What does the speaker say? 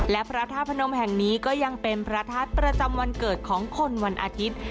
และพระธาตุพนมแห่งนี้ก็ยังเป็นพระธาตุประจำวันเกิดของคนวันอาทิตย์